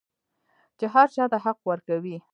چې هر چا ته حق ورکوي.